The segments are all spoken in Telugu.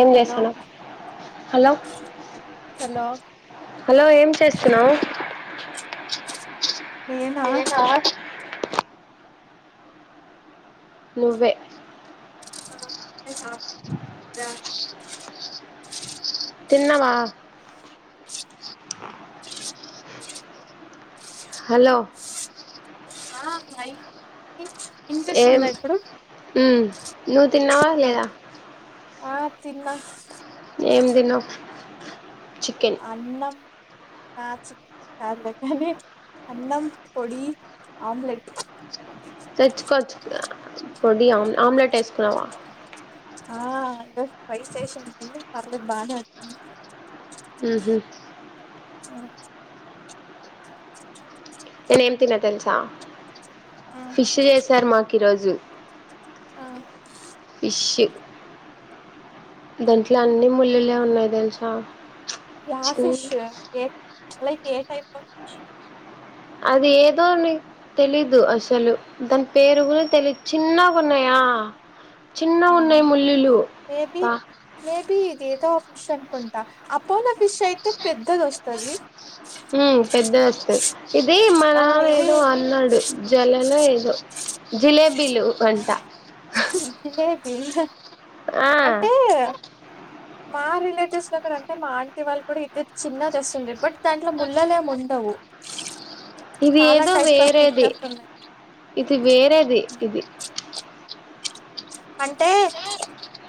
ఏం హలో చేస్తున్నావ్ హలో హలో ఏం చేస్తున్నావ్ ్యా నేనా నువ్వే [unintelligible] తిన్నవా హలో ఆ అయి ఏం హ్మ్ నువ్ తిన్నవ లేదా ఆ తిన్నా ఏం తిన్నావ్ చికెన్ అన్న ఆ చికెన్ ఆమ్లెట్ అండి అన్నం పొడి ఆమ్లెట్ తెచ్చుకోవచ్చు పొడి ఆమ్ ఆమ్లెట్ వేసుకున్నావా ఆ అండ్ ట్రై చేసింది గాని పర్లేదు బానే వచ్చింది ఉహు అ నేను ఏం తిన్న తెలుసా ఫిష్ చేశారు మాకు ఈ రోజు ఆ షి దాంట్లో అన్ని ముల్లులే ఎన్ని ఉన్నాయి తెలుసా య చిన్ fish a like a type of fish అది ఏదో నీకు తెలీదు అసలు దాని పేరు గూడ తెలిదు చిన్నగా ఉన్నాయా చిన్నగున్నయ్ ముల్లులు ప ఏదొ ఫిష్ అనుకుంటా అపోలో ఫిష్ అయితే పెద్దది వస్తది ఉ పెద్దది వస్తాది ఇది మన ఆ ఇవి ఏదో అన్నాడు జలలో ఏదో జిలేబ్ బిలువు వంట ఎలి హో. ఆ. మా రిలేటివ్స్ దగ్గర అంటే మా ఆంటీ వాళ్ళు కూడా ఇతే చిన్నగ తెస్తుండే, బట్ దాంట్లో ముళ్లలు ఏమి ఉండవు. ఇది చాలా ఏదో టైప్స్ ఆఫ్ వేరేది, ఫిషెస్ ఉన్నాయి ఇది వేరేది ఇది. అంటే,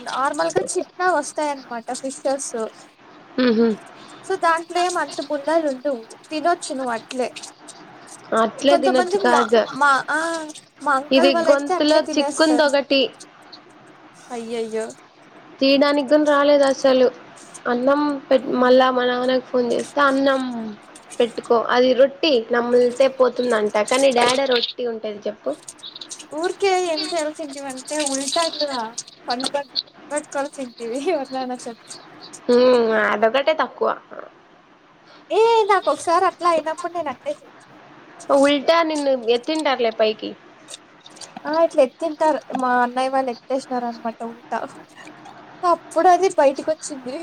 నార్మల్గా చిన్నగ వస్తాయన్నమాట ఫిషర్స్. ఉహు. అట్లేం అంత ముళ్లలు ఉండవు, తినొచ్చు నువ్వు అట్లే. అట్లే తినొచ్చు కొంతమంది మా కాదు మా ఆ, మా ఇది అంకల్ వాళ్ళు అయితే గొంతులో అట్లేే చిక్కుంది తినేస్తారు. ఒకటి అయ్య యయ్య యో. తీయడానికి గున్, రాలేదు అసలు. అన్నం పెట్ ఉమ్. మళ్ళా మా నాన్నక్ ఫోన్ చేస్తే అన్నం. పెట్టుకో అది రొట్టి నమ్ములితే పోతుందం. టక్కని డాడ రొ. టి ఉంటది చెప్పు. ఊరికే ఏం చేయాల్సింటివంటే ఉల్టా ఇట్లా [unintelligible] ఉమ్ అదొకటే తక్కువా. ఏ దా. ఉల్టా నిన్ను ఎత్తంటర్లే పై. టిప్. తింటారు మా అన్నయ్య వాళ్ళు ఎత్ేసినార అనమాట ఉంటా అప్పుడు అది బయటకి వచ్చింది.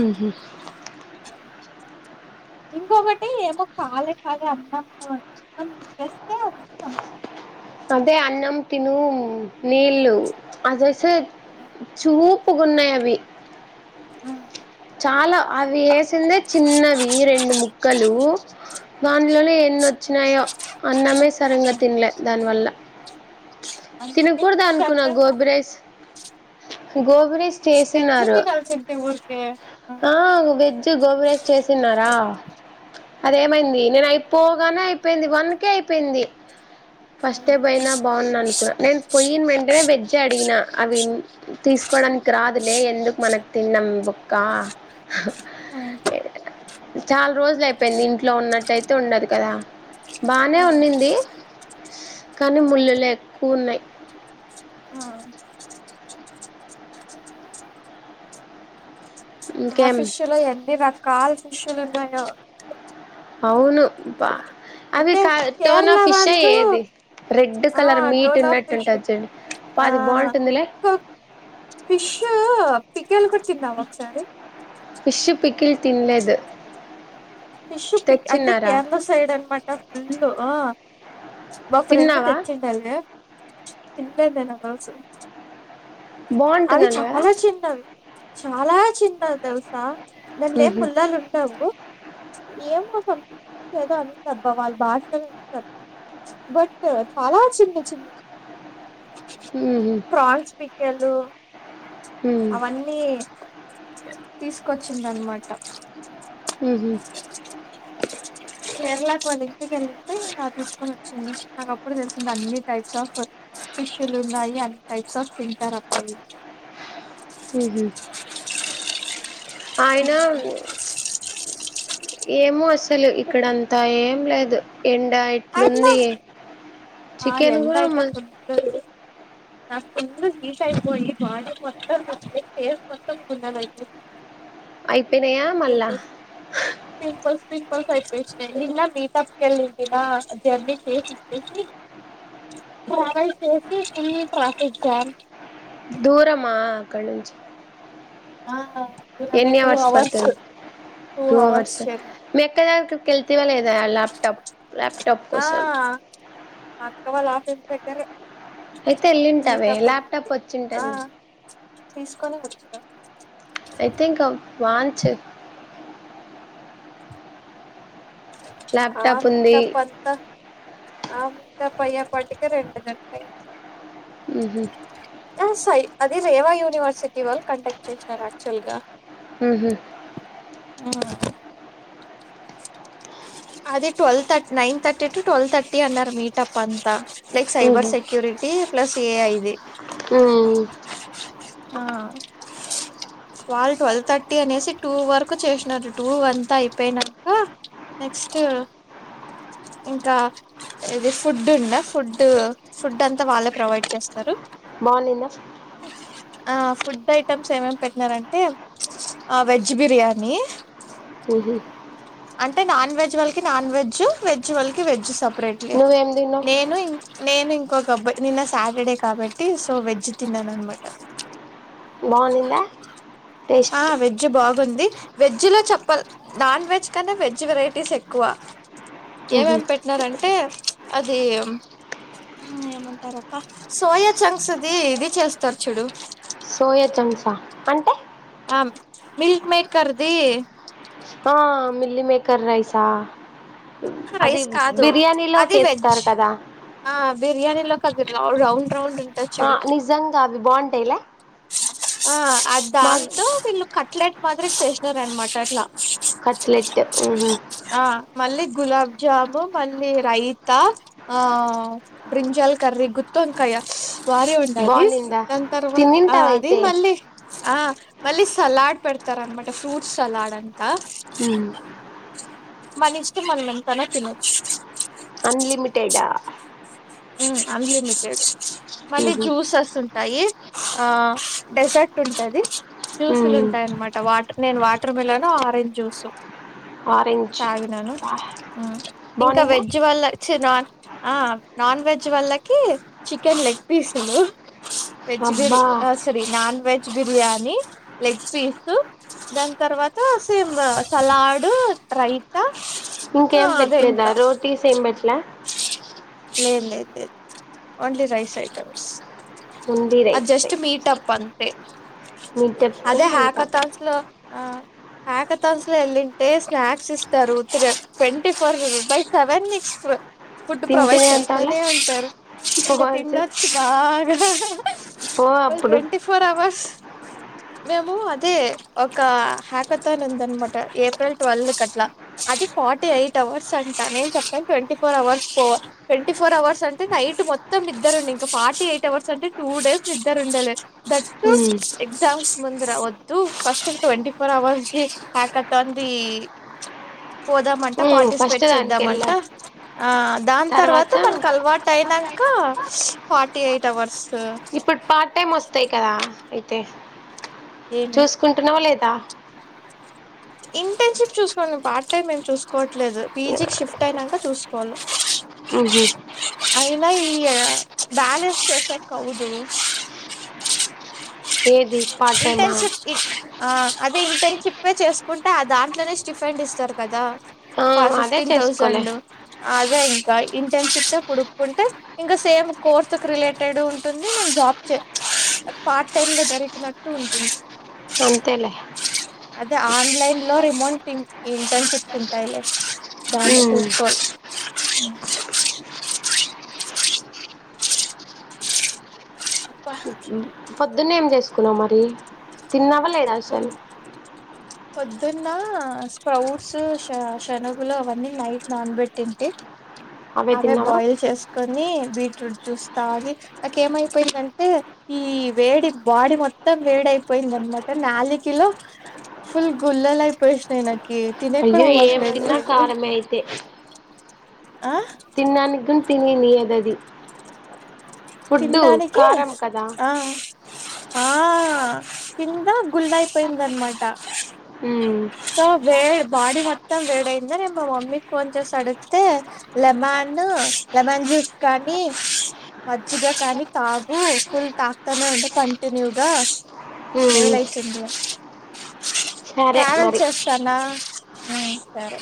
ఉహు. ఇంకొకటి ఏమో పాలే కదా అన్నం కూర చేస్తే ఇష్టం. అదే అన్నం తిను నీళ్ళు అదేసే చూపుగున్నాయి అవి. ఆ. చాలా అవి ఎసిందే చిన్నవి రెండు ముక్కలు, దానిలోనే ఎన్నోచ్చినాయో అన్నమే. సరింగ తినల్లే దాని వల్ల. అందుకే తినకూడదు ఫిష్ అనుకున్నా అంటే గోబి రైస్. గో. గొబిస్ తెచ్చి చేసిన్నారు, తినాల్సింది ఊరికే ఆ వెజ్ గోబిరైస్ చేసిన్నారా. అదేమైంది నేను అయిపోగానే అయిపోయింది వన్కే అయిపోయింది. [inaudible] అవున అనుకున్నాను, నేను పొయ్యన వెంటనే వెజ్ అడిగిన, అవి తీసుకోవడానికి రాదులే ఎందుకు మనకు తిన్నాం బోక్క. [unintelligible] చాలా రోజులు అయిపోయింది ఇంట్లో ఉన్నట్టయితే ఉండదు కదా. బానే ఉన్నింది. కానీ ముల్లులు. లెక్కు ఉన్నాయి హా ఇంకేం ఆఫీష లో ఎన్ని రకాలు విష్యలు ఉన్నాయా అవును బ అది కా టోన్ ఆ కేరళ ఫిష్ే వాళ్ళు ఏది రెడ్ ఆ colour meat tone of fish ఉన్నట్టుంటుంది చండి బ ఆ అది బాగుంటుందిలే పికలు కూడా తిన్నా ఒకసారి ఫిష్ పికిల్ తినలేదు ఫిష్ పిక్ అంటే తెచ్చిన్నారా కేరళ సైడ్ అనమాట ఫుల్ మా ఫ్రెండ్ తిన్నావా తెచ్చిండాలిగా ఇంటందే నా కాసు అవి బాగుంటుందంట కదా చాలా చిన్న అవి చాలా చిన్న తెలుసా నందేం ఉహు ములాల్ ఉంటా అబ్బవు ఏమో సంథింగ్ లేదా అని స బా వాళ్ళ భాషమో చెప్తుంది బట్ చాలా చిన్న చిన్న హా కలు అవన్నీ తీసుకొచ్చిందినమాట అహా కేరళకు వెళ్ళించ వెళ్ళితే తీసుకొని వచ్చింది నాకు అప్పుడు తెలిసింది అన్ని టైప్స్ ఆఫ్ పిష్యలు ఉన్నాయి అన్ని టైప్స్ ఆఫ్ సరప్పుడు హహ అయిన ఏమో అసలు ఇక్కడంతా ఏం లేదు ఎండా అయినా ఇట్లుంది ఆ చికెన్ గూడా ఎంతయిటా మ ఫు నాకు కొంద నీట్ అయిపోయింది బా మొత్తంేర్స్ మొత్తం గున్నగా అయితుయి అయిపినయామల చ్చస ఇలా మీి తప్పుకెళ్ళందిిన జర్నీ చేసి ఇచ్చేసి ట్రావెల్ చేసి ఈ ట్రాఫక్ జామ్ దూరమాక్కజ హా ఎన్ని అవర్స్ పడుతుంది టూ అవర్స్ మెక్క దగ కల్తవల్ ్యాప్టాప్ ెపటప్ ఆ కస మా అక్క వాళ్ళ ఆఫీస్ దగ్గరే అయితే వెళ్ళింటావే మీటప్ ల్యాప్టాప్ ఉన్నింది ఆ వచ్చింటది తీసుకొని వచ్చా ఐతే ఇంకా వాంచు ఆ ల్యాప్‌టాప్ మీ ఉంది. తప్పంత ఆ మీత ముప్పయ్యప్పటిక రెండు గంటలు అయింది ఉహూ సై అది రేవా యూనివర్సిటీ వాళ్ళు కంటాక్ట్ చేసినారు యాక్చువల్ గా ఉహూ ఆ అది twelve thirty nine thirty to twelve thirty అన్నారు మీట్ అప్ అంత లైక్ సైబర్ హుహు. సెక్యూరిటీ ప్లస్ ఏఐ ది హ్మ్. ఆ ల్ ట్వెల్వ్ థర్టీ అనేసి టూ వరకు చేసినారు టూ అంతా అయిపోయిన కా నెక్స్ట్ ఇంకా ఇది ఫుడ్ ఉందా ఫుడ్ ఫుడ్ అంతా వాళ్ళే ప్రొవైడ్ చేస్తారు బాగున్నిందా ఆ ఫుడ్ ఐటమ్స్ ఏమేమి పెట్టినారంటే వెజ్ బిర్యానీ హుహు. అంటే నాన్ వెజ్ వాళ్ళకి నాన్ వెజ్ వెజ్ వాళ్ళకి వెజ్ సబ్ సపరేట్ లే నువ్వేం తిన్నావు? నేను నేను ఇంకొక సబ నిన్న సాటర్డే కాబట్టి సో వెజ్ తిన్నాను అనమాట బాగుందిందా టేస్ట్ ఉంది వెజ్ లో చెప్ప నాన్ వెజ్ కంటే వెజ్ వెరైటీస్ ఎక్కువ మ్హూ. ఏమేం పెట్టినారంటే అది ఏమంటారప్ప సోయా చంక్స్ అది ఇది చేస్తారు చూడు సోయా చంసా అంటే ఆ మిల్క్ మేకర్ది ఆ మిల్లి మేకర్ రైసా అది రైస్ కాదు అది వెజ్ బిర్యానీలోకేస్తారు కదా ఆ బిర్యానీలోకి రౌండ్ రౌండ్ ఉంటది ఆ చూడు నిజంగా అవి బాగుంటాయిలే ఆ అది మా దాంతో వీళ్లు కట్లెట్ మాదిరి స్టేషనరీ అనమాట అట్లా కట్లెట్ ఉహూ ఆ మళ్ళీ గులాబ్ జాము మళ్ళీ రైతా ఆ బ్రింజల్ కర్రీ గుత్త వంకాయ బానే ఉండే అది బాగునిందా దాని తర్వాత ఆ అది తినింటావైతే మళ్ళీ ఆ మళ్ళీ సలాడ్ పెడతారు అనమాట ఫ్రూట్స్ సలాడ్ అంట ఉమ్ మన ఇష్టం అన్నది తననొచు గ అన్లిమిటెడా ఉమ్ అన్లిమిటెడ్ మళ్ళీ మ్హూ. జ్యూసెస్ ఉంటాయి అ డెసర్ట్ ఉంటది జ్యూసులు మ్. ఉంటాయి అన్నమాట వాటర్ నేను వా వాటర్ మిలాన్ ను ఆరెంజ్ జ్యూస్ ఆరెంజ్ తాగినాను బా. ఉమ్ ఇంకా బాగునిందా వెజ్ వల్ల చినన్ ఆ నాన్ వెజ్ వాళ్ళకి చికెన్ లెగ్ పీసులు వెజ్ బేరి అబ్బా నాన్ సరి non veg biryani leg piece దాని తర్వాత సేమ్ సలాడు రైతా ఇంకేం అదే పెట్టలేదా ఇంకా రోటీస్ ఏం పెట్ లా లేదు లేదు లేదు ఓన్లీ రైస్ ఐటమ్స్ ముంది రైట్ సైట్ పే అదే హాకత్ హాల్ తో ఆ ఆకతాన్స్లో వెళ్ళింటే స్నాక్స్ ఇస్తారు ట్వంటీ ఫోర్ బై సెవెన్క్ ఫుడ్ ప్రొవైడ్ తింటేనే అంటావులే చేస్తానే ఉంటారు ఇంకా పోవాల్సి తిన్నొచ్చు బాగా పో మాది అప్పుడు ట్వంటీ ఫోర్ అవర్స్ మేము అదే ఒక హ్యాకతోన్ ఉంది అనమాట ఏప్రిల్ ట్వీలివ్ కి అట్లా అది ఫార్టీ ఎయిట్ అవర్స్ అంటా నేను చెప్పను twenty four hours four twenty four hours అంటే నైట్ మొత్తం నిద్దరు ఉండి ఇంక ఫార్టీ ఎయిట్ అవర్స్ అంటే టూ డేస్ నిద్దరు ఉండలే థాట్టు ఉమ్ ఎగ్జామ్స్ ముందర వద్దు ఫస్ట్ ట్వంటీ ఫోర్ అవర్స్ కి హకతు అంది పోదాం మం ఉమ్ ఫస్ట్ పార్టిసిపేట్ దానికి వెళ్ళా చేద్దామంటా ఆ దాని తర్వాత మనకు అలవాటు అయినంక ఫార్టీ ఎయిట్ అవర్స్ ఇప్పుడు పార్ట్ టైమ్ వస్తు తాయి కదా అయితే ఏమి చూసుకుంటున్నావు లేదు త్తా ఇంటన్ షిప్ చూసుకోవాలి పార్ట్ టైమ్ మేము చూసుకోవట్లేదు పీజికి షిఫ్ట్ అయినాక చూసుకోవాలా ఉహు ఈ బ్యాలెన్స్ చేసాక్వుదు ఏది పార్ట్ టైమా ఇంటర్న్షిప్ ఆ అదే ఇంతేం చెప్పే చేసుకుంటే ఆ దాంట్లోనే స్టిఫ అండ్ ఇస్తారు కదా ఆ అదే ఫిఫ్టీన్ చేసుకోలే థౌసండ్ ఇంకా ఇంటర్న్షిప్ పుడుక్కుంటే ఇంకా సేమ్ కోర్స్ రిలేటెడ్ ఉంటుంది మేం జాబ్ చే పార్ట్ టైమ్ లో జరిగిన టూ అంతేలే అదే ఆన్లైన్ లో రిమోంట్ ఇంటర్న్షిప్స్ ఉంటాయిలే బా ఉమ్ ఫూట్బల్ అ అప్పా పొద్దున్న ఏం చేసుకున్నావు మరి తిన్నవ్వలేదా అసలు పద్దున్న స్క్రౌట్స్ శనగులు అవన్నీ నైట్ నాన్బెట్ తింతే అవే బోయిల్ చేస్కు బీట్రూట్ జూస్ తాగి నాక్ ఏమైపోయిందంటే ఈ వేడి బాడి మొత్తం వేడియిపో పోయిందనమాట నాలీకిలో ఫుల్ గుల్లలు అయిపోయిసాయిచ్చ అయ్యో ఏం తిన్నా కారంమే అయితే ఆ తిన్నానుకు తిినీ నీ అది ఫుడ్డు తినడానికి కారం కదా ఆ ఆ కింద గుల్నయిపోయింద అన్మాట మ్మ్ వే బాడీ మొత్తం వేడయింద నేను మా మమ్మీకి ఫోన్ చేసి అడిగితే లెమన్ లెమన్ జ్యూస్ కానీ మజిగా కానీ తాగు ఫుల్ తాక్కనే ఉంటే కంటిన్యూగా ఉమ్ నేలయితుడి సరే ట్రావెల్ మరి చేస్తానా ఆ సరే